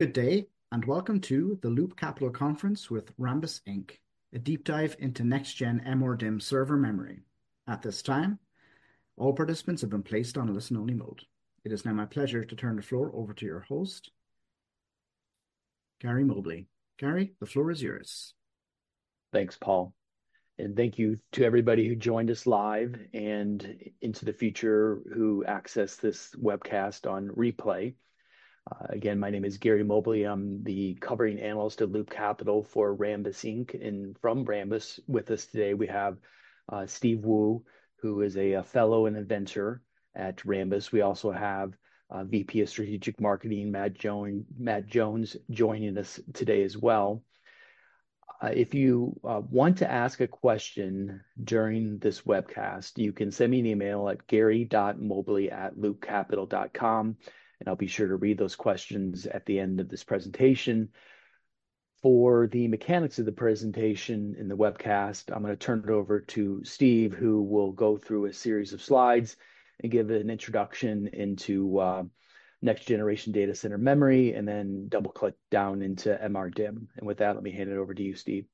Good day, and welcome to the Loop Capital Conference with Rambus Inc., a deep dive into next-gen MRDIMM server memory. At this time, all participants have been placed on a listen-only mode. It is now my pleasure to turn the floor over to your host, Gary Mobley. Gary, the floor is yours. Thanks, Paul. Thank you to everybody who joined us live and into the future who access this webcast on replay. Again, my name is Gary Mobley. I'm the covering analyst at Loop Capital for Rambus Inc. And from Rambus, with us today, we have Steve Woo, who is a Fellow and Distinguished Inventor at Rambus. We also have VP of Strategic Marketing, Matt Jones, joining us today as well. If you want to ask a question during this webcast, you can send me an email at gary.mobley@loopcapital.com, and I'll be sure to read those questions at the end of this presentation. For the mechanics of the presentation in the webcast, I'm going to turn it over to Steve, who will go through a series of slides and give an introduction into next-generation data center memory, and then double-click down into MRDIMM. With that, let me hand it over to you, Steve.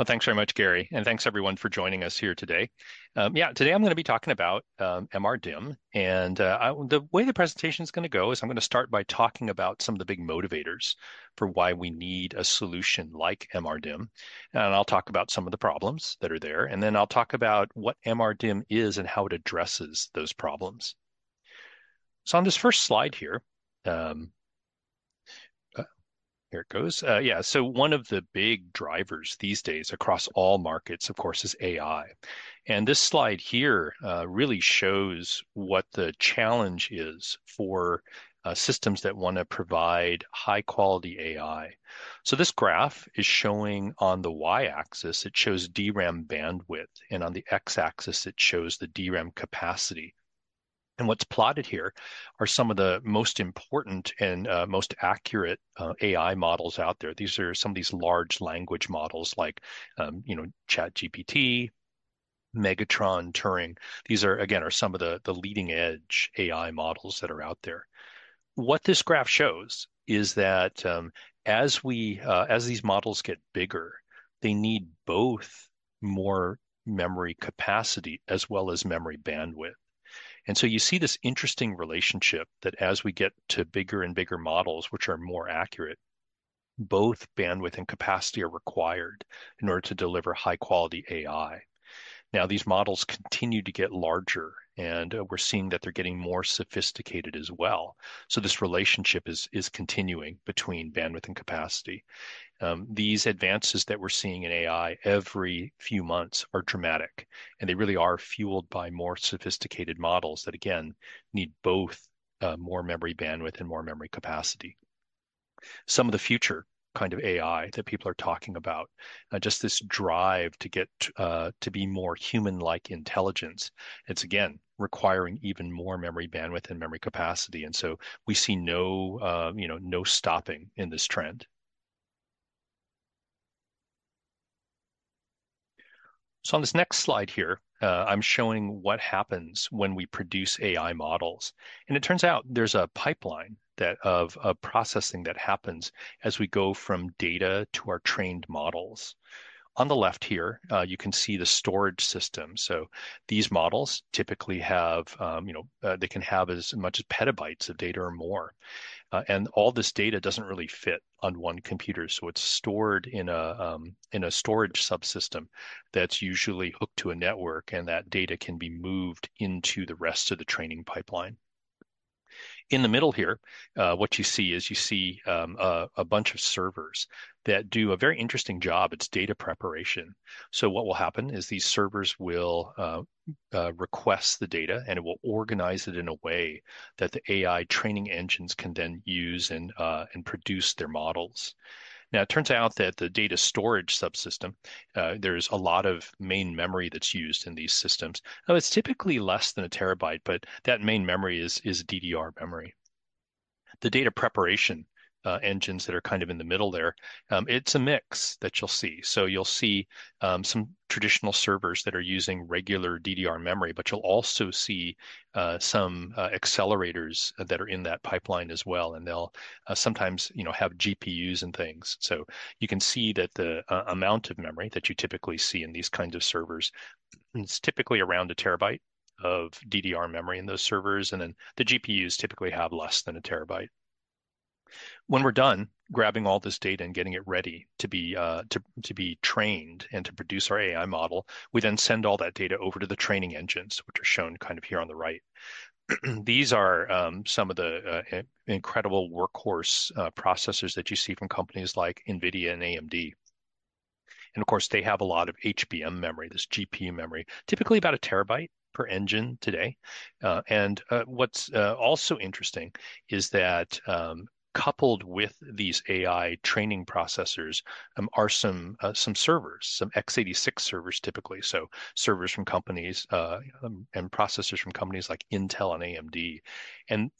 Well, thanks very much, Gary, and thanks everyone for joining us here today. Yeah, today I'm going to be talking about MRDIMM, and the way the presentation is going to go is I'm going to start by talking about some of the big motivators for why we need a solution like MRDIMM, and I'll talk about some of the problems that are there, and then I'll talk about what MRDIMM is and how it addresses those problems, so on this first slide here, here it goes. Yeah, so one of the big drivers these days across all markets, of course, is AI, and this slide here really shows what the challenge is for systems that want to provide high-quality AI, so this graph is showing on the Y-axis, it shows DRAM bandwidth, and on the X-axis, it shows the DRAM capacity. What's plotted here are some of the most important and most accurate AI models out there. These are some of these large language models like, you know, ChatGPT, Megatron, Turing. These are, again, some of the leading-edge AI models that are out there. What this graph shows is that as these models get bigger, they need both more memory capacity as well as memory bandwidth. You see this interesting relationship that as we get to bigger and bigger models, which are more accurate, both bandwidth and capacity are required in order to deliver high-quality AI. Now, these models continue to get larger, and we're seeing that they're getting more sophisticated as well. This relationship is continuing between bandwidth and capacity. These advances that we're seeing in AI every few months are dramatic, and they really are fueled by more sophisticated models that, again, need both more memory bandwidth and more memory capacity. Some of the future kind of AI that people are talking about, just this drive to get to be more human-like intelligence, it's, again, requiring even more memory bandwidth and memory capacity. And so we see no, you know, no stopping in this trend. So on this next slide here, I'm showing what happens when we produce AI models. And it turns out there's a pipeline of processing that happens as we go from data to our trained models. On the left here, you can see the storage system. So these models typically have, you know, they can have as much as petabytes of data or more. All this data doesn't really fit on one computer, so it's stored in a storage subsystem that's usually hooked to a network, and that data can be moved into the rest of the training pipeline. In the middle here, what you see is a bunch of servers that do a very interesting job. It's data preparation. What will happen is these servers will request the data, and it will organize it in a way that the AI training engines can then use and produce their models. Now, it turns out that the data storage subsystem, there's a lot of main memory that's used in these systems. Now, it's typically less than a terabyte, but that main memory is DDR memory. The data preparation engines that are kind of in the middle there, it's a mix that you'll see. So you'll see some traditional servers that are using regular DDR memory, but you'll also see some accelerators that are in that pipeline as well, and they'll sometimes, you know, have GPUs and things. So you can see that the amount of memory that you typically see in these kinds of servers is typically around a terabyte of DDR memory in those servers, and then the GPUs typically have less than a terabyte. When we're done grabbing all this data and getting it ready to be trained and to produce our AI model, we then send all that data over to the training engines, which are shown kind of here on the right. These are some of the incredible workhorse processors that you see from companies like NVIDIA and AMD. And of course, they have a lot of HBM memory, this GPU memory, typically about a terabyte per engine today. What's also interesting is that coupled with these AI training processors are some servers, some x86 servers typically, so servers from companies and processors from companies like Intel and AMD.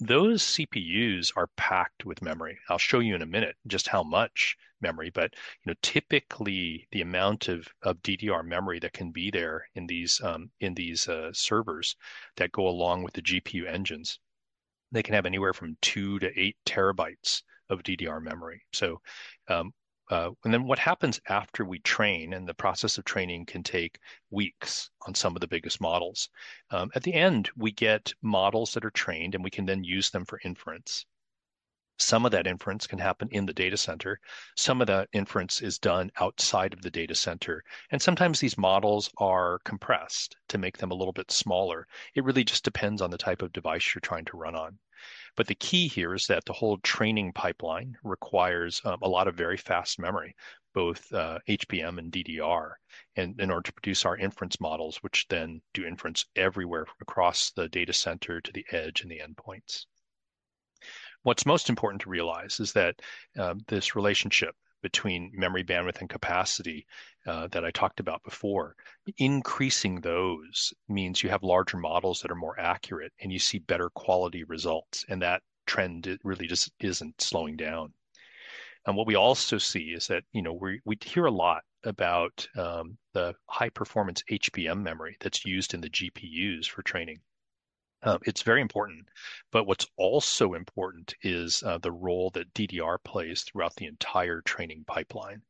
Those CPUs are packed with memory. I'll show you in a minute just how much memory, but you know, typically the amount of DDR memory that can be there in these servers that go along with the GPU engines. They can have anywhere from 2 TB-8 TB of DDR memory. And then what happens after we train, and the process of training can take weeks on some of the biggest models. At the end, we get models that are trained, and we can then use them for inference. Some of that inference can happen in the data center. Some of that inference is done outside of the data center. And sometimes these models are compressed to make them a little bit smaller. It really just depends on the type of device you're trying to run on. But the key here is that the whole training pipeline requires a lot of very fast memory, both HBM and DDR, in order to produce our inference models, which then do inference everywhere across the data center to the edge and the endpoints. What's most important to realize is that this relationship between memory bandwidth and capacity that I talked about before, increasing those means you have larger models that are more accurate, and you see better quality results, and that trend really just isn't slowing down. And what we also see is that, you know, we hear a lot about the high-performance HBM memory that's used in the GPUs for training. It's very important, but what's also important is the role that DDR plays throughout the entire training pipeline.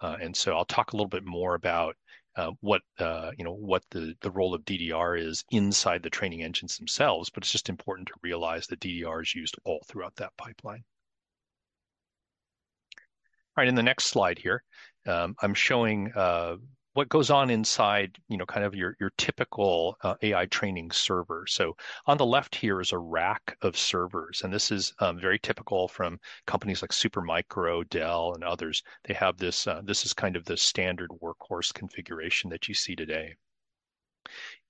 And so I'll talk a little bit more about what, you know, what the role of DDR is inside the training engines themselves, but it's just important to realize that DDR is used all throughout that pipeline. All right, in the next slide here, I'm showing what goes on inside, you know, kind of your typical AI training server. So on the left here is a rack of servers, and this is very typical from companies like Supermicro, Dell, and others. They have this, this is kind of the standard workhorse configuration that you see today.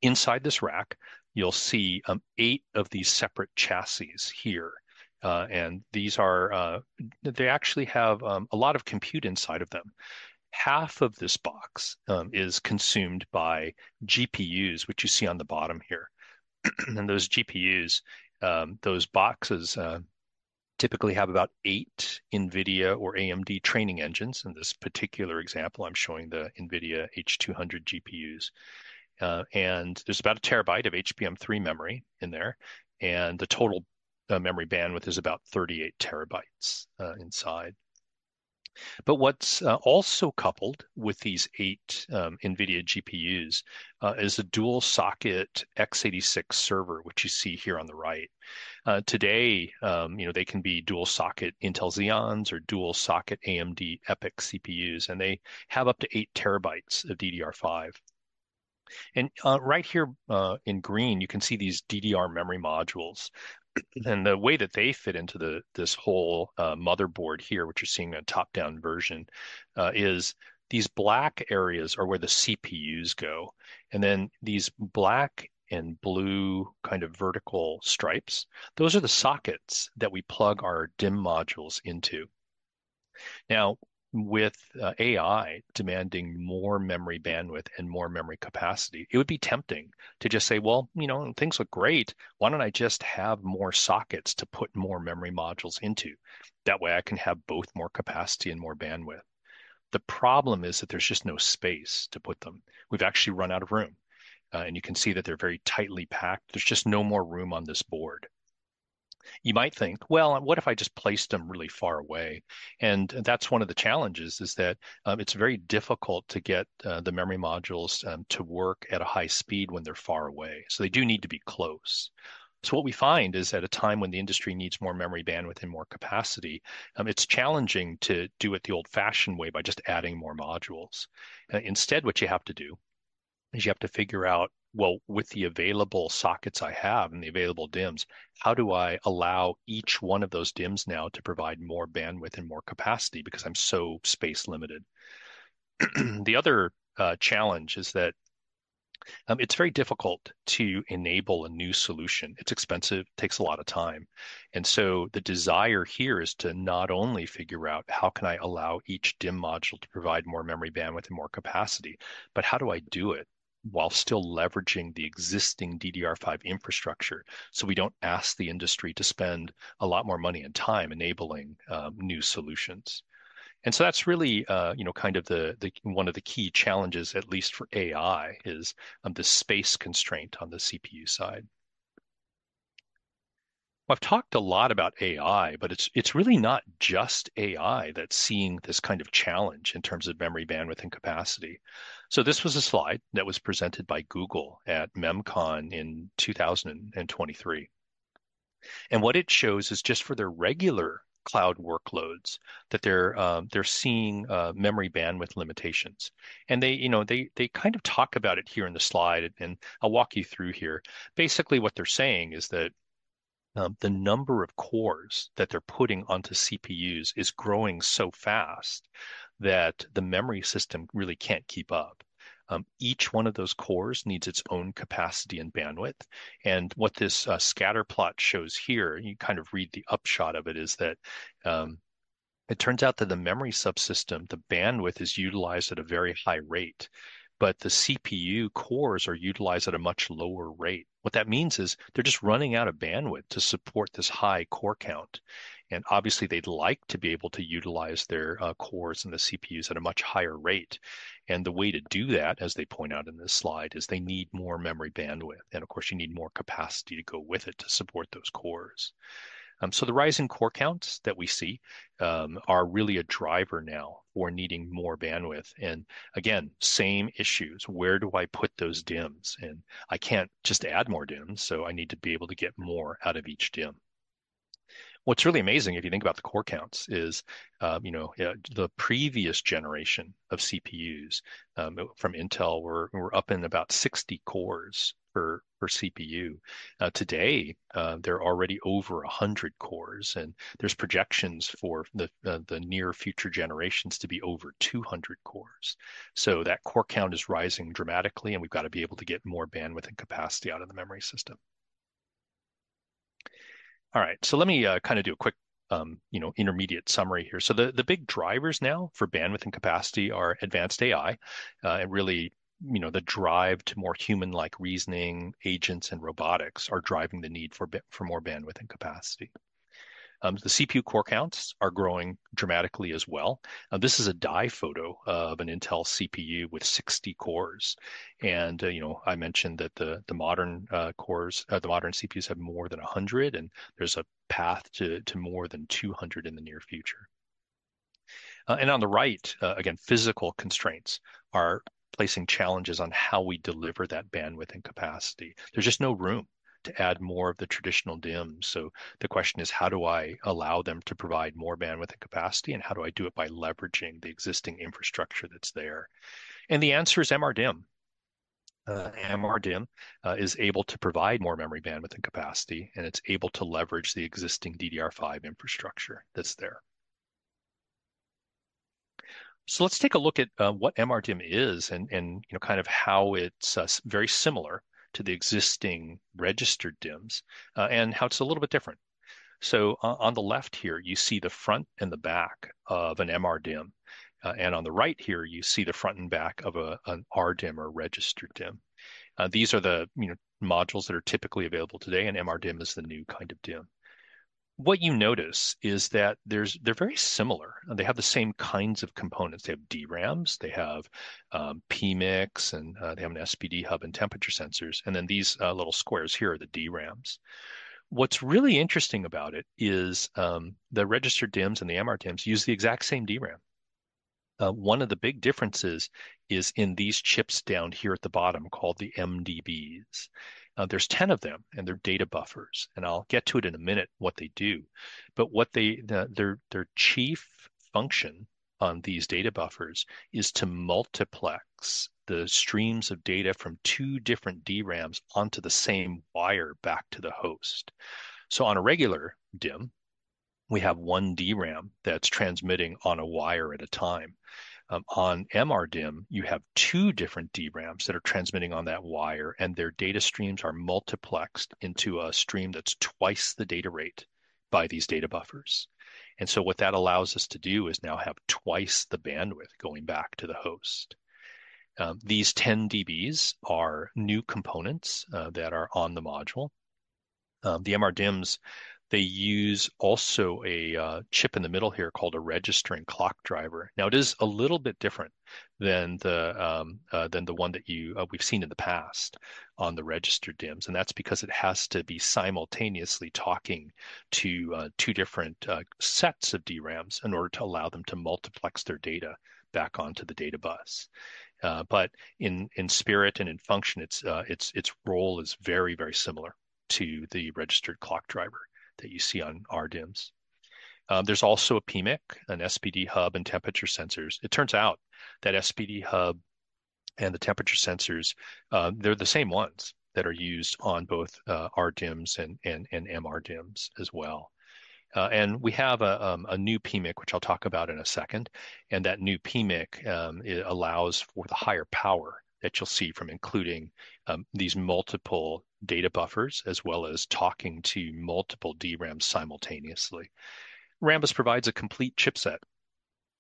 Inside this rack, you'll see eight of these separate chassis here, and these are, they actually have a lot of compute inside of them. Half of this box is consumed by GPUs, which you see on the bottom here. And those GPUs, those boxes typically have about eight NVIDIA or AMD training engines. In this particular example, I'm showing the NVIDIA H200 GPUs. And there's about a terabyte of HBM3 memory in there, and the total memory bandwidth is about 38 TB inside. But what's also coupled with these eight NVIDIA GPUs is a dual-socket x86 server, which you see here on the right. Today, you know, they can be dual-socket Intel Xeons or dual-socket AMD EPYC CPUs, and they have up to 8 TB of DDR5. And right here in green, you can see these DDR memory modules. And the way that they fit into this whole motherboard here, which you're seeing a top-down version, is these black areas are where the CPUs go. And then these black and blue kind of vertical stripes, those are the sockets that we plug our DIMM modules into. Now, with AI demanding more memory bandwidth and more memory capacity, it would be tempting to just say, well, you know, things look great. Why don't I just have more sockets to put more memory modules into? That way I can have both more capacity and more bandwidth. The problem is that there's just no space to put them. We've actually run out of room, and you can see that they're very tightly packed. There's just no more room on this board. You might think, well, what if I just placed them really far away? And that's one of the challenges is that it's very difficult to get the memory modules to work at a high speed when they're far away. So they do need to be close. So what we find is at a time when the industry needs more memory bandwidth and more capacity, it's challenging to do it the old-fashioned way by just adding more modules. Instead, what you have to do is you have to figure out, well, with the available sockets I have and the available DIMMs, how do I allow each one of those DIMMs now to provide more bandwidth and more capacity because I'm so space-limited? The other challenge is that it's very difficult to enable a new solution. It's expensive, takes a lot of time. And so the desire here is to not only figure out how can I allow each DIMM module to provide more memory bandwidth and more capacity, but how do I do it while still leveraging the existing DDR5 infrastructure so we don't ask the industry to spend a lot more money and time enabling new solutions. And so that's really, you know, kind of the one of the key challenges, at least for AI, is the space constraint on the CPU side. I've talked a lot about AI, but it's really not just AI that's seeing this kind of challenge in terms of memory bandwidth and capacity. So this was a slide that was presented by Google at MemCon in 2023. And what it shows is just for their regular cloud workloads that they're seeing memory bandwidth limitations. They, you know, they kind of talk about it here in the slide, and I'll walk you through here. Basically, what they're saying is that the number of cores that they're putting onto CPUs is growing so fast that the memory system really can't keep up. Each one of those cores needs its own capacity and bandwidth. What this scatter plot shows here, you kind of read the upshot of it, is that it turns out that the memory subsystem, the bandwidth is utilized at a very high rate, but the CPU cores are utilized at a much lower rate. What that means is they're just running out of bandwidth to support this high core count. Obviously, they'd like to be able to utilize their cores and the CPUs at a much higher rate. The way to do that, as they point out in this slide, is they need more memory bandwidth. Of course, you need more capacity to go with it to support those cores. The rising core counts that we see are really a driver now for needing more bandwidth. Again, same issues. Where do I put those DIMMs? I can't just add more DIMMs, so I need to be able to get more out of each DIMM. What's really amazing, if you think about the core counts, is, you know, the previous generation of CPUs from Intel were up in about 60 cores per CPU. Today, they're already over 100 cores, and there's projections for the near future generations to be over 200 cores. So that core count is rising dramatically, and we've got to be able to get more bandwidth and capacity out of the memory system. All right, so let me kind of do a quick, you know, intermediate summary here. So the big drivers now for bandwidth and capacity are advanced AI and really, you know, the drive to more human-like reasoning, agents, and robotics are driving the need for more bandwidth and capacity. The CPU core counts are growing dramatically as well. This is a die photo of an Intel CPU with 60 cores. And, you know, I mentioned that the modern cores, the modern CPUs have more than 100, and there's a path to more than 200 in the near future. And on the right, again, physical constraints are placing challenges on how we deliver that bandwidth and capacity. There's just no room to add more of the traditional DIMs. So the question is, how do I allow them to provide more bandwidth and capacity, and how do I do it by leveraging the existing infrastructure that's there? And the answer is MRDIMM. MRDIMM is able to provide more memory bandwidth and capacity, and it's able to leverage the existing DDR5 infrastructure that's there. So let's take a look at what MRDIMM is and, you know, kind of how it's very similar to the existing registered DIMMs and how it's a little bit different. So on the left here, you see the front and the back of an MRDIMM, and on the right here, you see the front and back of an RDIMM or registered DIMM. These are the, you know, modules that are typically available today, and MRDIMM is the new kind of DIMM. What you notice is that they're very similar. They have the same kinds of components. They have DRAMs, they have PMIC, and they have an SPD hub and temperature sensors, and then these little squares here are the DRAMs. What's really interesting about it is the registered DIMMs and the MRDIMMs use the exact same DRAM. One of the big differences is in these chips down here at the bottom called the MDBs. There's 10 of them, and they're data buffers, and I'll get to it in a minute what they do. But their chief function on these data buffers is to multiplex the streams of data from two different DRAMs onto the same wire back to the host. So on a regular DIMM, we have one DRAM that's transmitting on a wire at a time. On MRDIMM, you have two different DRAMs that are transmitting on that wire, and their data streams are multiplexed into a stream that's twice the data rate by these data buffers, and so what that allows us to do is now have twice the bandwidth going back to the host. These 10 DBs are new components that are on the module. The MRDIMMs, they use also a chip in the middle here called a Registered Clock Driver. Now, it is a little bit different than the one that we've seen in the past on the registered DIMMs, and that's because it has to be simultaneously talking to two different sets of DRAMs in order to allow them to multiplex their data back onto the data bus, but in spirit and in function, its role is very, very similar to the Registered Clock Driver that you see on RDIMMs. There's also a PMIC, an SPD hub and temperature sensors. It turns out that SPD hub and the temperature sensors, they're the same ones that are used on both RDIMMs and MRDIMMs as well. And we have a new PMIC, which I'll talk about in a second, and that new PMIC allows for the higher power that you'll see from including these multiple data buffers as well as talking to multiple DRAMs simultaneously. Rambus provides a complete chipset,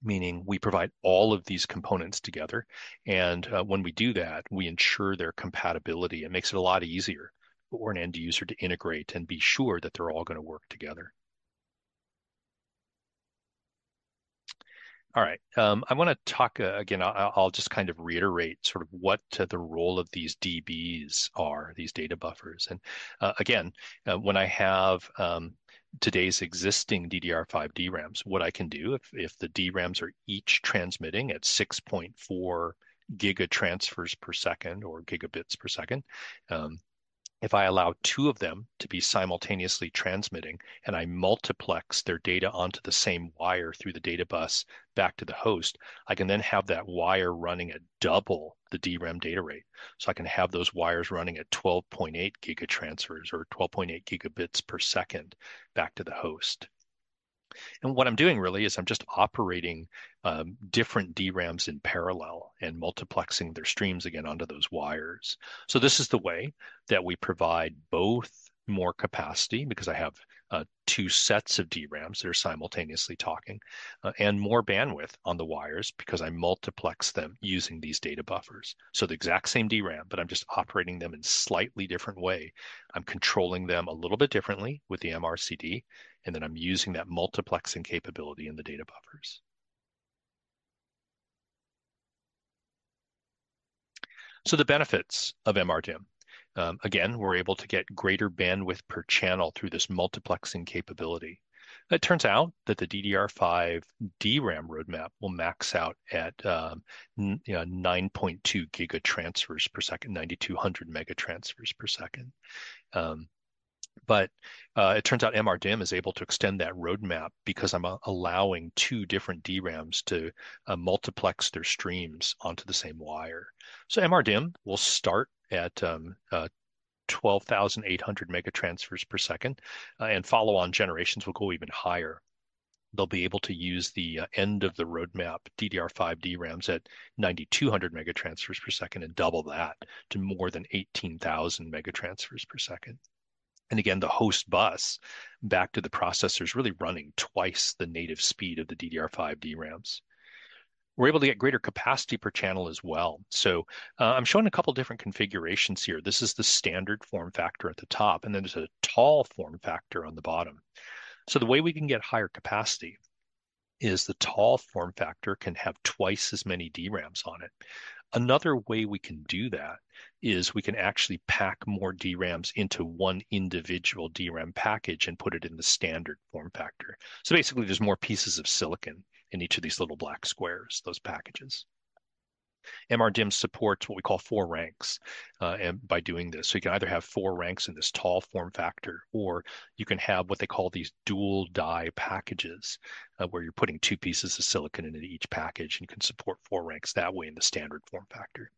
meaning we provide all of these components together, and when we do that, we ensure their compatibility. It makes it a lot easier for an end user to integrate and be sure that they're all going to work together. All right, I want to talk again, I'll just kind of reiterate sort of what the role of these DBs are, these data buffers. Again, when I have today's existing DDR5 DRAMs, what I can do if the DRAMs are each transmitting at 6.4 GT/s or Gbps, if I allow two of them to be simultaneously transmitting and I multiplex their data onto the same wire through the data bus back to the host, I can then have that wire running at double the DRAM data rate. I can have those wires running at 12.8 GT/s or 12.8 Gbps back to the host. What I'm doing really is I'm just operating different DRAMs in parallel and multiplexing their streams again onto those wires. This is the way that we provide both more capacity because I have two sets of DRAMs that are simultaneously talking and more bandwidth on the wires because I multiplex them using these data buffers. So the exact same DRAM, but I'm just operating them in a slightly different way. I'm controlling them a little bit differently with the MRCD, and then I'm using that multiplexing capability in the data buffers. So the benefits of MRDIMM, again, we're able to get greater bandwidth per channel through this multiplexing capability. It turns out that the DDR5 DRAM roadmap will max out at 9.2 GT/s, 9,200 MT/s. But it turns out MRDIMM is able to extend that roadmap because I'm allowing two different DRAMs to multiplex their streams onto the same wire. So MRDIMM will start at 12,800 MT/s and follow on generations will go even higher. They'll be able to use the end of the roadmap, DDR5 DRAMs at 9,200 MT/s and double that to more than 18,000 MT/s. And again, the host bus back to the processor is really running twice the native speed of the DDR5 DRAMs. We're able to get greater capacity per channel as well. So I'm showing a couple of different configurations here. This is the standard form factor at the top, and then there's a tall form factor on the bottom. So the way we can get higher capacity is the tall form factor can have twice as many DRAMs on it. Another way we can do that is we can actually pack more DRAMs into one individual DRAM package and put it in the standard form factor. So basically, there's more pieces of silicon in each of these little black squares, those packages. MRDIMM supports what we call four ranks by doing this. So you can either have four ranks in this tall form factor or you can have what they call these dual die packages where you're putting two pieces of silicon into each package, and you can support four ranks that way in the standard form factor.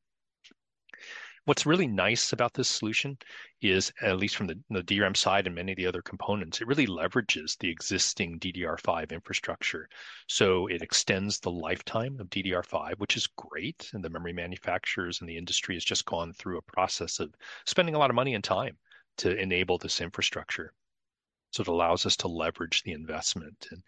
What's really nice about this solution is, at least from the DRAM side and many of the other components, it really leverages the existing DDR5 infrastructure. So it extends the lifetime of DDR5, which is great, and the memory manufacturers and the industry have just gone through a process of spending a lot of money and time to enable this infrastructure. So it allows us to leverage the investment, and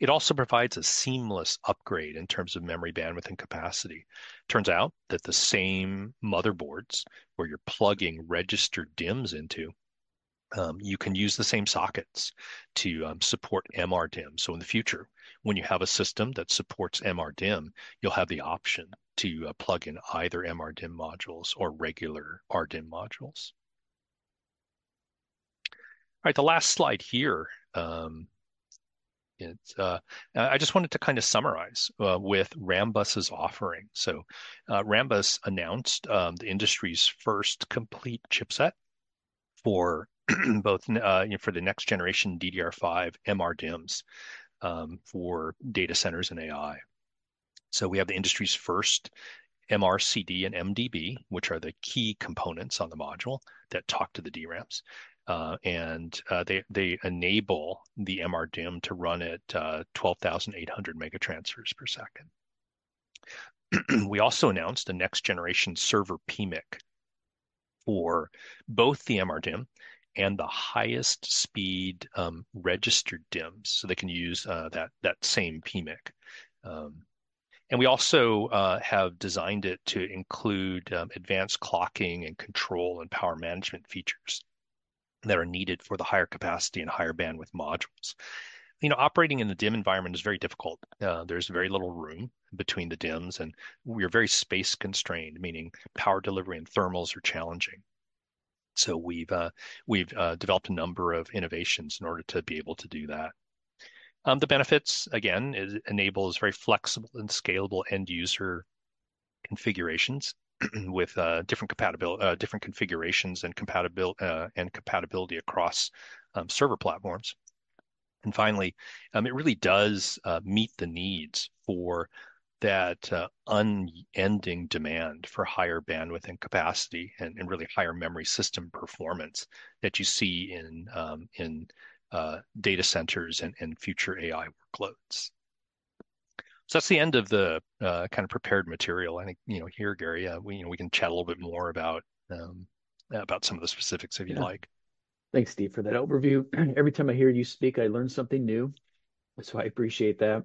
it also provides a seamless upgrade in terms of memory bandwidth and capacity. It turns out that the same motherboards where you're plugging registered DIMMs into, you can use the same sockets to support MRDIMM. So in the future, when you have a system that supports MRDIMM, you'll have the option to plug in either MRDIMM modules or regular RDIMM modules. All right, the last slide here, I just wanted to kind of summarize with Rambus's offering. So Rambus announced the industry's first complete chipset for both, you know, for the next generation DDR5 MRDIMMs for data centers and AI. So we have the industry's first MRCD and MDB, which are the key components on the module that talk to the DRAMs, and they enable the MRDIMM to run at 12,800 MT/s. We also announced the next generation server PMIC for both the MRDIMM and the highest speed registered DIMMs, so they can use that same PMIC. We also have designed it to include advanced clocking and control and power management features that are needed for the higher capacity and higher bandwidth modules. You know, operating in the DIMM environment is very difficult. There's very little room between the DIMMs, and we're very space constrained, meaning power delivery and thermals are challenging. So we've developed a number of innovations in order to be able to do that. The benefits, again, enable very flexible and scalable end user configurations with different configurations and compatibility across server platforms. And finally, it really does meet the needs for that unending demand for higher bandwidth and capacity and really higher memory system performance that you see in data centers and future AI workloads. So that's the end of the kind of prepared material. I think, you know, here, Gary, you know, we can chat a little bit more about some of the specifics if you'd like. Thanks, Steve, for that overview. Every time I hear you speak, I learn something new, so I appreciate that.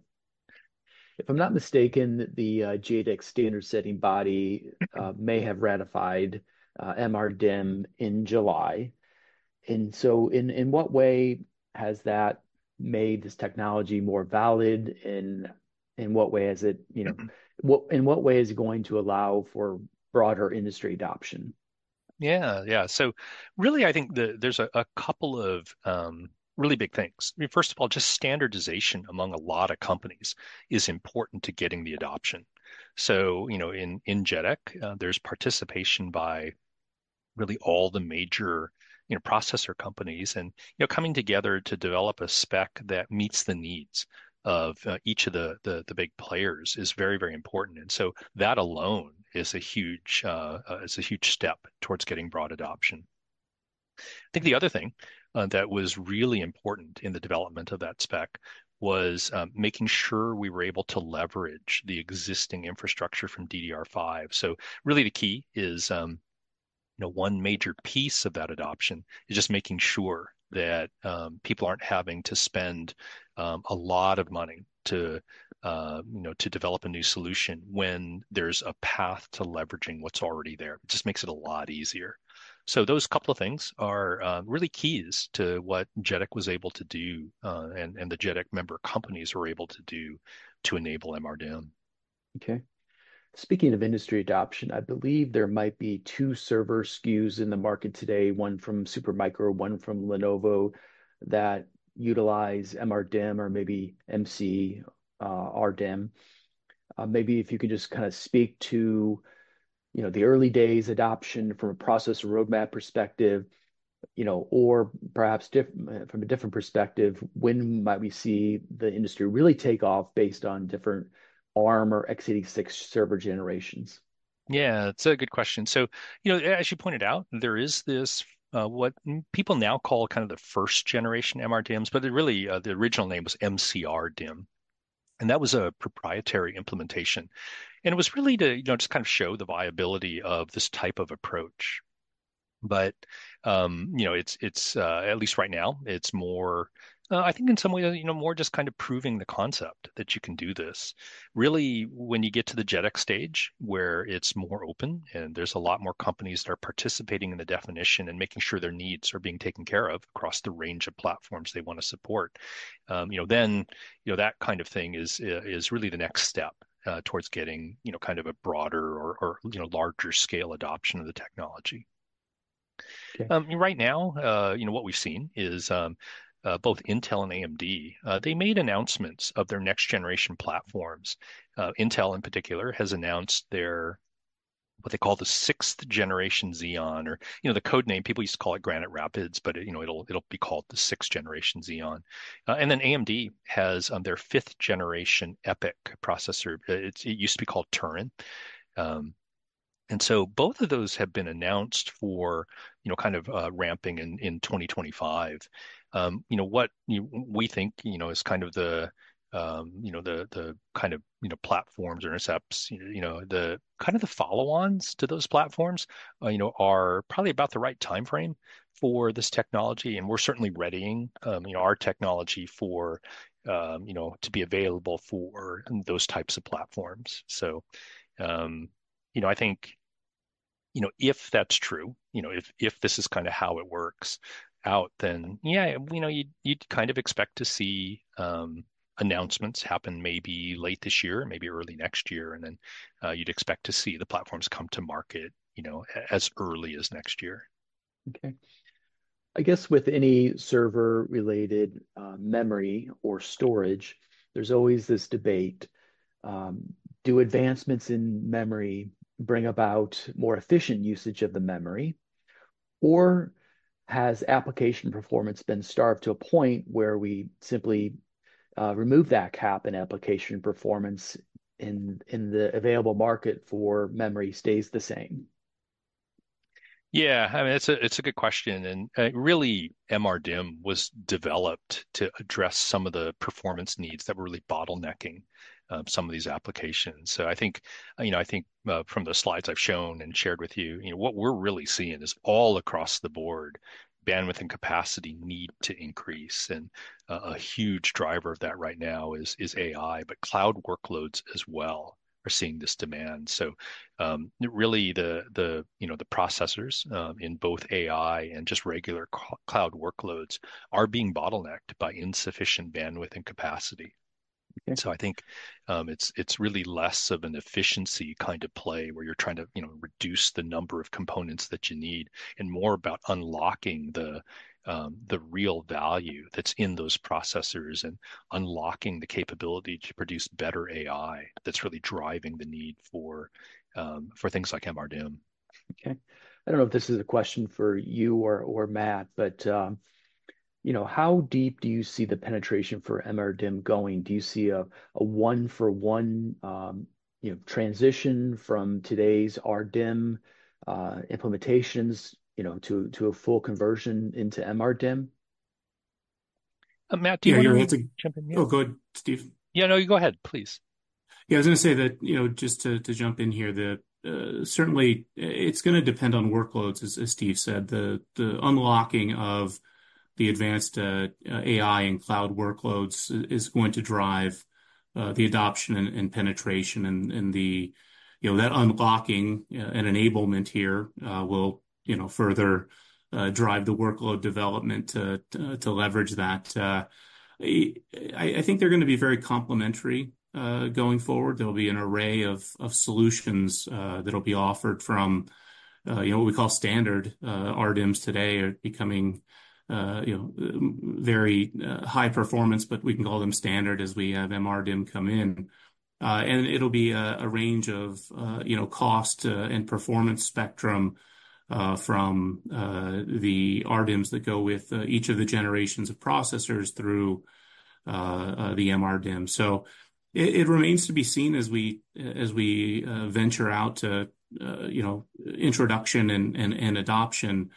If I'm not mistaken, the JEDEC standard setting body may have ratified MRDIMM in July, so in what way has that made this technology more valid, and in what way has it, you know, in what way is it going to allow for broader industry adoption? Yeah, yeah, so really, I think there's a couple of really big things. I mean, first of all, just standardization among a lot of companies is important to getting the adoption. So, you know, in JEDEC, there's participation by really all the major, you know, processor companies, and, you know, coming together to develop a spec that meets the needs of each of the big players is very, very important. And so that alone is a huge step towards getting broad adoption. I think the other thing that was really important in the development of that spec was making sure we were able to leverage the existing infrastructure from DDR5. So really, the key is, you know, one major piece of that adoption is just making sure that people aren't having to spend a lot of money to, you know, to develop a new solution when there's a path to leveraging what's already there. It just makes it a lot easier. So those couple of things are really keys to what JEDEC was able to do and the JEDEC member companies were able to do to enable MRDIMM. Okay. Speaking of industry adoption, I believe there might be two server SKUs in the market today, one from Supermicro, one from Lenovo, that utilize MRDIMM or maybe MCRDIMM. Maybe if you can just kind of speak to, you know, the early days adoption from a process roadmap perspective, you know, or perhaps from a different perspective, when might we see the industry really take off based on different Arm or x86 server generations? Yeah, that's a good question. So, you know, as you pointed out, there is this what people now call kind of the first generation MRDIMMs, but really the original name was MCRDIMM. And that was a proprietary implementation. It was really to, you know, just kind of show the viability of this type of approach. You know, it's, at least right now, it's more, I think in some ways, you know, more just kind of proving the concept that you can do this. Really, when you get to the JEDEC stage where it's more open and there's a lot more companies that are participating in the definition and making sure their needs are being taken care of across the range of platforms they want to support, you know, then, you know, that kind of thing is really the next step towards getting, you know, kind of a broader or, you know, larger scale adoption of the technology. Right now, you know, what we've seen is both Intel and AMD, they made announcements of their next generation platforms. Intel in particular has announced their what they call the 6th generation Xeon or, you know, the code name, people used to call it Granite Rapids, but, you know, it'll be called the 6th generation Xeon, and then AMD has their 5th Generation EPYC processor. It used to be called Turin, and so both of those have been announced for, you know, kind of ramping in 2025. You know, what we think, you know, is kind of the, you know, the kind of, you know, platforms or intercepts, you know, the kind of the follow-ons to those platforms, you know, are probably about the right timeframe for this technology, and we're certainly readying, you know, our technology for, you know, to be available for those types of platforms. You know, I think, you know, if that's true, you know, if this is kind of how it works out, then yeah, you know, you'd kind of expect to see announcements happen maybe late this year, maybe early next year, and then you'd expect to see the platforms come to market, you know, as early as next year. Okay. I guess with any server-related memory or storage, there's always this debate. Do advancements in memory bring about more efficient usage of the memory, or has application performance been starved to a point where we simply remove that cap and application performance in the available market for memory stays the same? Yeah, I mean, it's a good question. Really, MRDIMM was developed to address some of the performance needs that were really bottlenecking some of these applications. So I think, you know, I think from the slides I've shown and shared with you, you know, what we're really seeing is all across the board, bandwidth and capacity need to increase. And a huge driver of that right now is AI, but cloud workloads as well are seeing this demand. So really, the, you know, the processors in both AI and just regular cloud workloads are being bottlenecked by insufficient bandwidth and capacity. And so I think it's really less of an efficiency kind of play where you're trying to, you know, reduce the number of components that you need and more about unlocking the real value that's in those processors and unlocking the capability to produce better AI that's really driving the need for things like MRDIMM. Okay. I don't know if this is a question for you or Matt, but you know, how deep do you see the penetration for MRDIMM going? Do you see a one-for-one, you know, transition from today's RDIMM implementations, you know, to a full conversion into MRDIMM? Matt, do you want to jump in here? Oh, go ahead, Steve. Yeah, no, you go ahead, please. Yeah, I was going to say that, you know, just to jump in here, that certainly it's going to depend on workloads, as Steve said. The unlocking of the advanced AI and cloud workloads is going to drive the adoption and penetration, and the, you know, that unlocking and enablement here will, you know, further drive the workload development to leverage that. I think they're going to be very complementary going forward. There'll be an array of solutions that'll be offered from, you know, what we call standard RDIMMs today are becoming, you know, very high performance, but we can call them standard as we have MRDIMM come in. And it'll be a range of, you know, cost and performance spectrum from the RDIMMs that go with each of the generations of processors through the MRDIMM. So it remains to be seen as we venture out to, you know, introduction and adoption.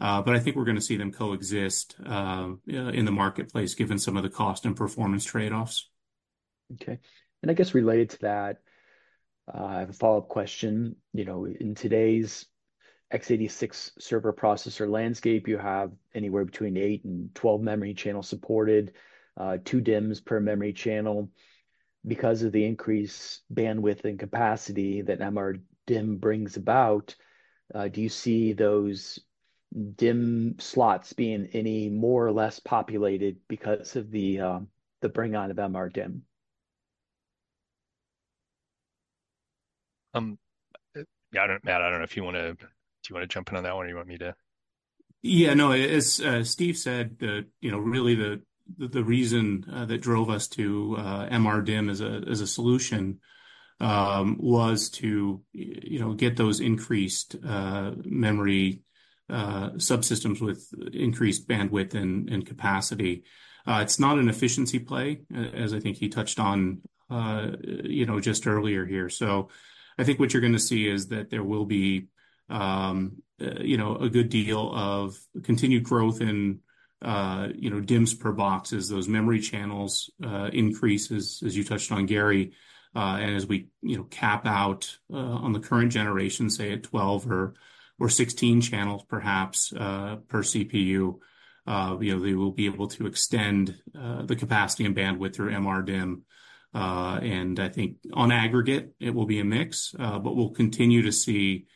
But I think we're going to see them coexist in the marketplace given some of the cost and performance trade-offs. Okay. And I guess related to that, I have a follow-up question. You know, in today's x86 server processor landscape, you have anywhere between eight and 12 memory channels supported, two DIMMs per memory channel. Because of the increased bandwidth and capacity that MRDIMM brings about, do you see those DIMM slots being any more or less populated because of the bring-on of MRDIMM? Yeah, I don't know, Matt. I don't know if you want to jump in on that one or you want me to. Yeah, no, as Steve said, you know, really the reason that drove us to MRDIMM as a solution was to, you know, get those increased memory subsystems with increased bandwidth and capacity. It's not an efficiency play, as I think he touched on, you know, just earlier here. So I think what you're going to see is that there will be, you know, a good deal of continued growth in, you know, DIMMs per boxes, those memory channels increases, as you touched on, Gary. As we, you know, cap out on the current generation, say at 12 or 16 channels perhaps per CPU, you know, they will be able to extend the capacity and bandwidth through MRDIMM. And I think on aggregate, it will be a mix, but we'll continue to see,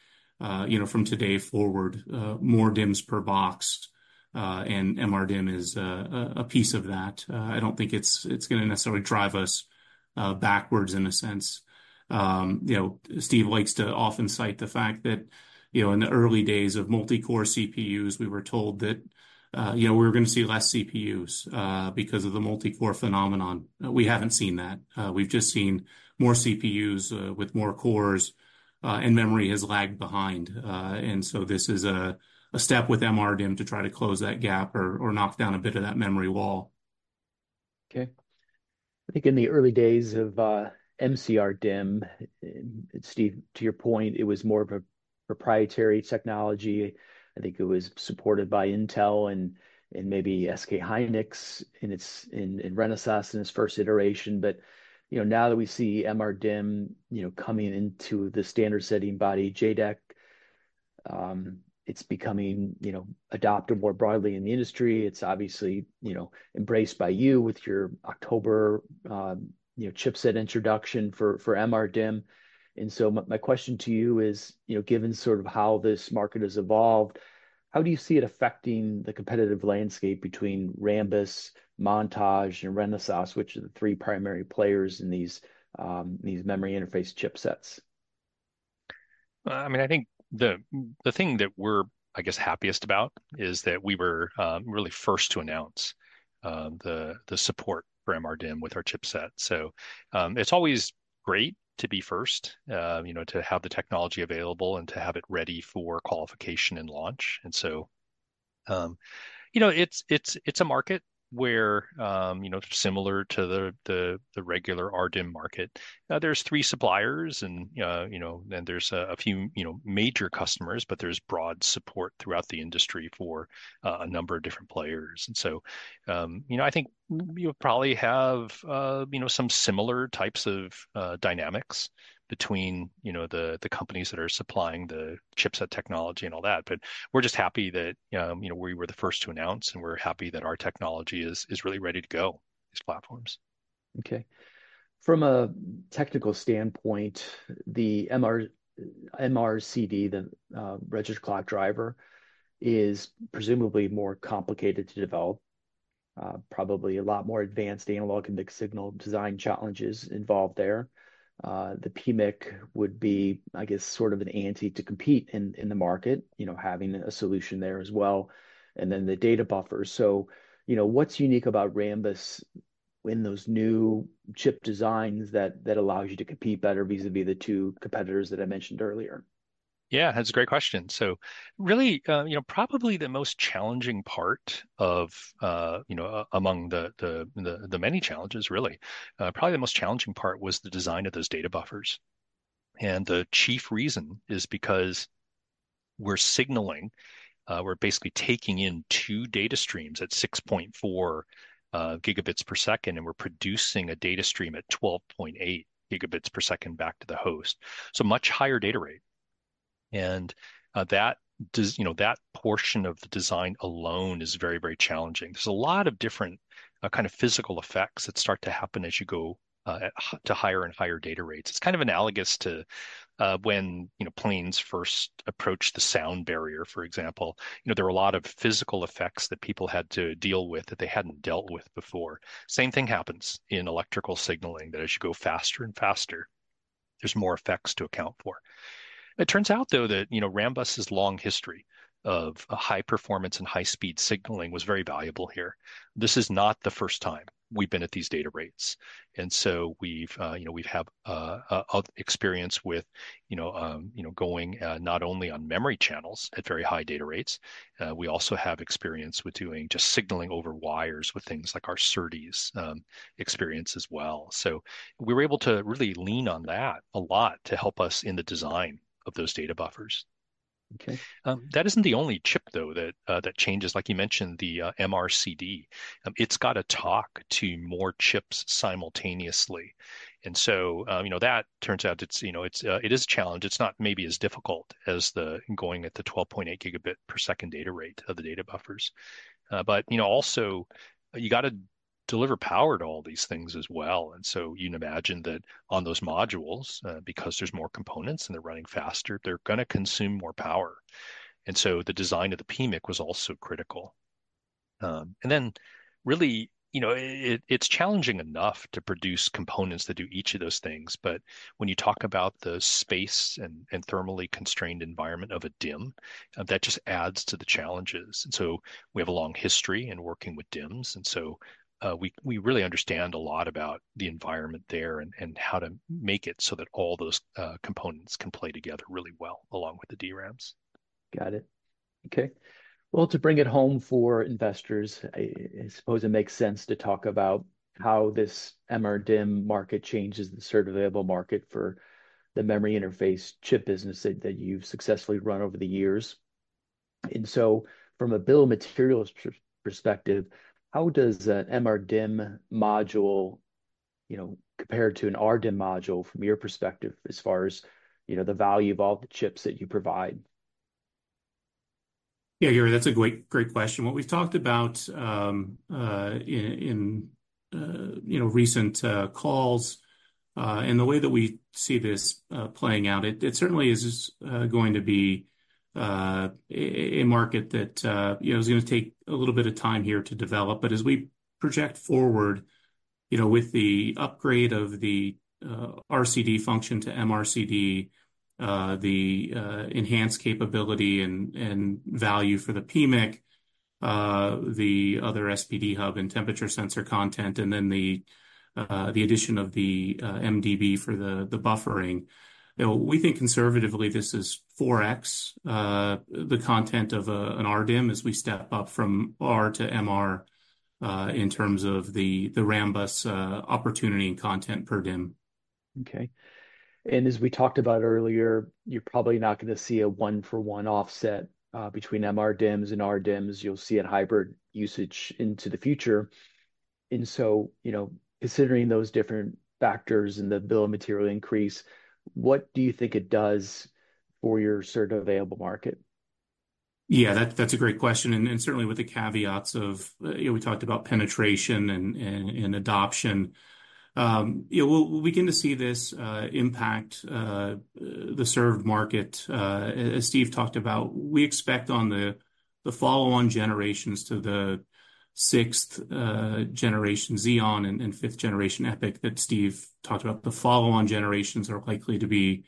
you know, from today forward, more DIMMs per box, and MRDIMM is a piece of that. I don't think it's going to necessarily drive us backwards in a sense. You know, Steve likes to often cite the fact that, you know, in the early days of multi-core CPUs, we were told that, you know, we were going to see less CPUs because of the multi-core phenomenon. We haven't seen that. We've just seen more CPUs with more cores, and memory has lagged behind. And so this is a step with MRDIMM to try to close that gap or knock down a bit of that memory wall. Okay. I think in the early days of MRDIMM, Steve, to your point, it was more of a proprietary technology. I think it was supported by Intel and maybe SK Hynix in Renesas in its first iteration. But, you know, now that we see MRDIMM, you know, coming into the standard setting body, JEDEC, it's becoming, you know, adopted more broadly in the industry. It's obviously, you know, embraced by you with your October, you know, chipset introduction for MRDIMM. And so my question to you is, you know, given sort of how this market has evolved, how do you see it affecting the competitive landscape between Rambus, Montage, and Renesas, which are the three primary players in these memory interface chipsets? I mean, I think the thing that we're, I guess, happiest about is that we were really first to announce the support for MRDIMM with our chipset, so it's always great to be first, you know, to have the technology available and to have it ready for qualification and launch, and so, you know, it's a market where, you know, similar to the regular RDIMM market, there's three suppliers and, you know, then there's a few, you know, major customers, but there's broad support throughout the industry for a number of different players. And so, you know, I think you'll probably have, you know, some similar types of dynamics between, you know, the companies that are supplying the chipset technology and all that, but we're just happy that, you know, we were the first to announce and we're happy that our technology is really ready to go to these platforms. Okay. From a technical standpoint, the MRCD, the Registered Clock Driver, is presumably more complicated to develop, probably a lot more advanced analog and mixed-signal design challenges involved there. The PMIC would be, I guess, sort of an ante to compete in the market, you know, having a solution there as well, and then the data buffer. So, you know, what's unique about Rambus in those new chip designs that allows you to compete better vis-à-vis the two competitors that I mentioned earlier? Yeah, that's a great question. So really, you know, probably the most challenging part of, you know, among the many challenges, really, probably the most challenging part was the design of those data buffers. The chief reason is because we're signaling. We're basically taking in two data streams at 6.4 Gbps, and we're producing a data stream at 12.8 Gbps back to the host. So much higher data rate. And that, you know, that portion of the design alone is very, very challenging. There's a lot of different kind of physical effects that start to happen as you go to higher and higher data rates. It's kind of analogous to when, you know, planes first approach the sound barrier, for example. You know, there were a lot of physical effects that people had to deal with that they hadn't dealt with before. Same thing happens in electrical signaling that as you go faster and faster, there's more effects to account for. It turns out, though, that, you know, Rambus's long history of high performance and high speed signaling was very valuable here. This is not the first time we've been at these data rates, and so we've had experience with, you know, going not only on memory channels at very high data rates. We also have experience with doing just signaling over wires with things like our SerDes experience as well. So we were able to really lean on that a lot to help us in the design of those data buffers. Okay. That isn't the only chip, though, that changes, like you mentioned, the MRCD. It's got to talk to more chips simultaneously, and so, you know, that turns out, you know, it is a challenge. It's not maybe as difficult as the going at the 12.8 Gbps data rate of the data buffers. But, you know, also, you got to deliver power to all these things as well. And so you can imagine that on those modules, because there's more components and they're running faster, they're going to consume more power. And so the design of the PMIC was also critical. And then really, you know, it's challenging enough to produce components that do each of those things. But when you talk about the space and thermally constrained environment of a DIMM, that just adds to the challenges. And so we have a long history in working with DIMMs. And so we really understand a lot about the environment there and how to make it so that all those components can play together really well along with the DRAMs. Got it. Okay. Well, to bring it home for investors, I suppose it makes sense to talk about how this MRDIMM market changes the serviceable market for the memory interface chip business that you've successfully run over the years. And so from a bill of materials perspective, how does an MRDIMM module, you know, compare to an RDIMM module from your perspective as far as, you know, the value of all the chips that you provide? Yeah, Gary, that's a great, great question. What we've talked about in, you know, recent calls and the way that we see this playing out, it certainly is going to be a market that, you know, is going to take a little bit of time here to develop. But as we project forward, you know, with the upgrade of the RCD function to MRCD, the enhanced capability and value for the PMIC, the other SPD hub and temperature sensor content, and then the addition of the MDB for the buffering, we think conservatively this is 4x the content of an RDIMM as we step up from R to MR in terms of the Rambus opportunity and content per DIMM. Okay. And as we talked about earlier, you're probably not going to see a one-for-one offset between MRDIMMs and RDIMMs. You'll see a hybrid usage into the future. And so, you know, considering those different factors and the bill of material increase, what do you think it does for your serviceable market? Yeah, that's a great question. And certainly with the caveats of, you know, we talked about penetration and adoption. You know, we'll begin to see this impact the served market, as Steve talked about. We expect on the follow-on generations to the 6th Generation Xeon and 5th Generation EPYC that Steve talked about, the follow-on generations are likely to be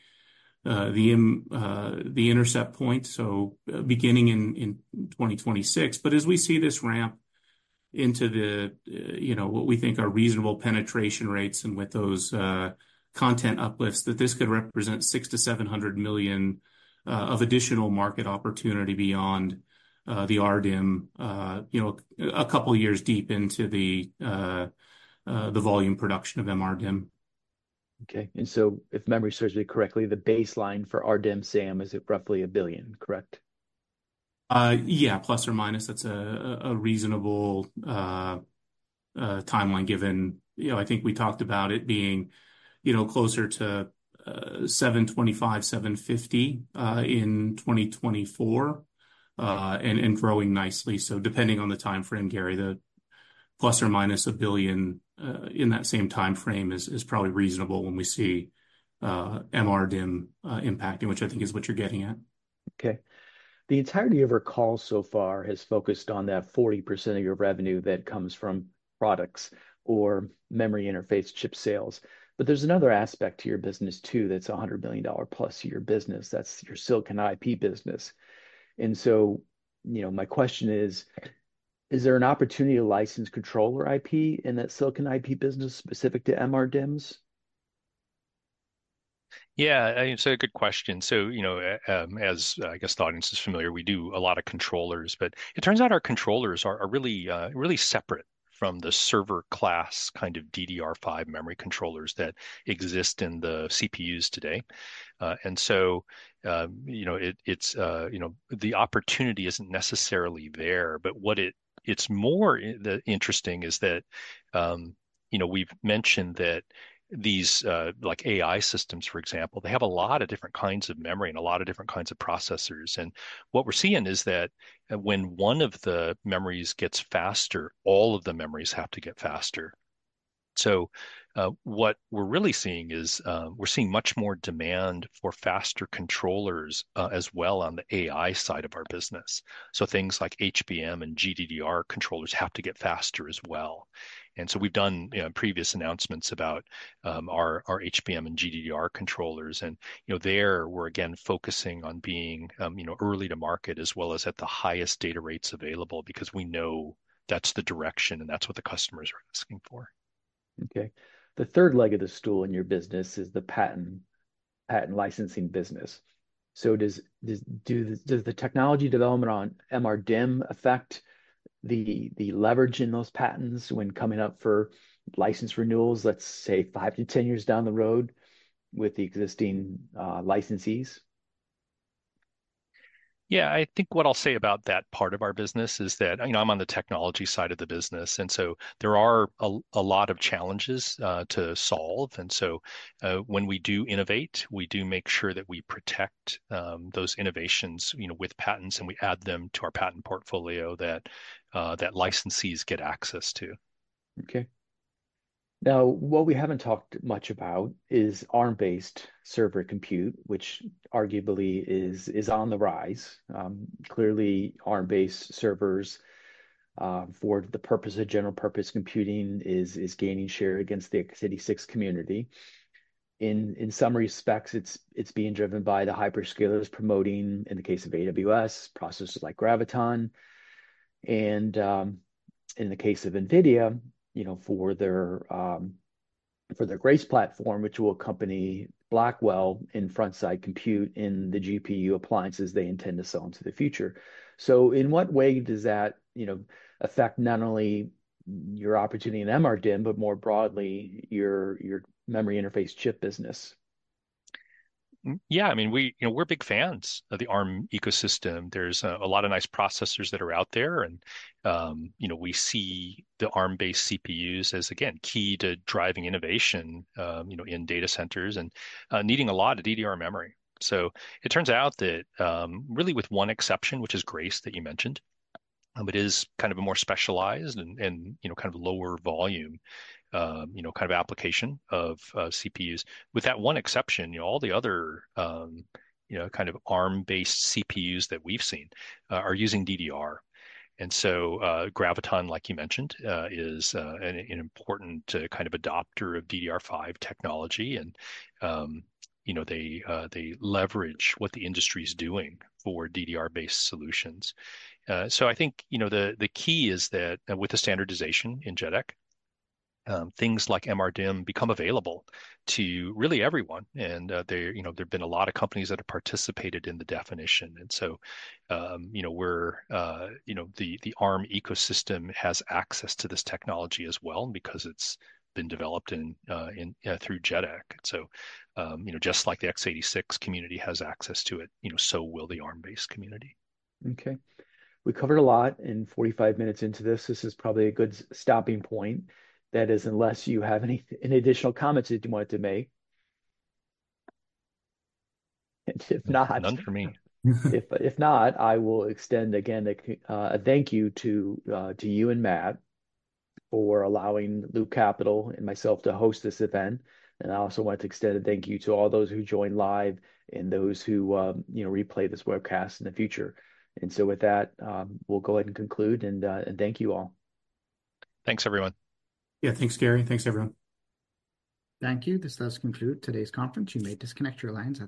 the intercept point. So beginning in 2026. But as we see this ramp into the, you know, what we think are reasonable penetration rates and with those content uplifts that this could represent $600 million-$700 million of additional market opportunity beyond the RDIMM, you know, a couple of years deep into the volume production of MRDIMM. Okay. And so if memory serves me correctly, the baseline for RDIMM SAM is roughly $1 billion, correct? Yeah, plus or minus. That's a reasonable timeline given, you know, I think we talked about it being, you know, closer to $725 million-$750 million in 2024 and growing nicely. So depending on the timeframe, Gary, the plus or minus a billion in that same timeframe is probably reasonable when we see MRDIMM impacting, which I think is what you're getting at. Okay. The entirety of our call so far has focused on that 40% of your revenue that comes from products or memory interface chip sales. But there's another aspect to your business too that's $100 million plus to your business. That's your silicon IP business. And so, you know, my question is, is there an opportunity to license controller IP in that silicon IP business specific to MRDIMMs? Yeah, I mean, so a good question. So, you know, as I guess the audience is familiar, we do a lot of controllers, but it turns out our controllers are really, really separate from the server class kind of DDR5 memory controllers that exist in the CPUs today. And so, you know, it's, you know, the opportunity isn't necessarily there, but what it's more interesting is that, you know, we've mentioned that these, like AI systems, for example, they have a lot of different kinds of memory and a lot of different kinds of processors. And what we're seeing is that when one of the memories gets faster, all of the memories have to get faster. So what we're really seeing is we're seeing much more demand for faster controllers as well on the AI side of our business. So things like HBM and GDDR controllers have to get faster as well. And so we've done previous announcements about our HBM and GDDR controllers. And, you know, there we are again focusing on being, you know, early to market as well as at the highest data rates available because we know that's the direction and that's what the customers are asking for. Okay. The third leg of the stool in your business is the patent licensing business. So does the technology development on MRDIMM affect the leverage in those patents when coming up for license renewals, let's say five to 10 years down the road with the existing licensees? Yeah, I think what I'll say about that part of our business is that, you know, I'm on the technology side of the business. And so there are a lot of challenges to solve. And so when we do innovate, we do make sure that we protect those innovations, you know, with patents and we add them to our patent portfolio that licensees get access to. Okay. Now, what we haven't talked much about is Arm-based server compute, which arguably is on the rise. Clearly, Arm-based servers for the purpose of general purpose computing is gaining share against the x86 community. In some respects, it's being driven by the hyperscalers promoting, in the case of AWS, processors like Graviton. And in the case of NVIDIA, you know, for their Grace platform, which will accompany Blackwell in front-side compute in the GPU appliances they intend to sell into the future. So in what way does that, you know, affect not only your opportunity in MRDIMM, but more broadly your memory interface chip business? Yeah, I mean, we, you know, we're big fans of the Arm ecosystem. There's a lot of nice processors that are out there. And, you know, we see the Arm-based CPUs as, again, key to driving innovation, you know, in data centers and needing a lot of DDR memory. So it turns out that really with one exception, which is Grace that you mentioned, it is kind of a more specialized and, you know, kind of lower volume, you know, kind of application of CPUs. With that one exception, you know, all the other, you know, kind of Arm-based CPUs that we've seen are using DDR. And so Graviton, like you mentioned, is an important kind of adopter of DDR5 technology. And, you know, they leverage what the industry is doing for DDR-based solutions. So I think, you know, the key is that with the standardization in JEDEC, things like MRDIMM become available to really everyone. And there, you know, there've been a lot of companies that have participated in the definition. And so, you know, we're, you know, the Arm ecosystem has access to this technology as well because it's been developed through JEDEC. So, you know, just like the x86 community has access to it, you know, so will the Arm-based community. Okay. We covered a lot in 45 minutes into this. This is probably a good stopping point. That is, unless you have any additional comments that you want to make. If not... None for me. If not, I will extend again a thank you to you and Matt for allowing Loop Capital and myself to host this event. And I also want to extend a thank you to all those who joined live and those who, you know, replay this webcast in the future. And so with that, we'll go ahead and conclude. And thank you all. Thanks, everyone. Yeah, thanks, Gary. Thanks, everyone. Thank you. This does conclude today's conference. You may disconnect your lines.